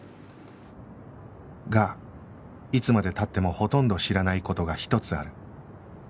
がいつまで経ってもほとんど知らない事が一つある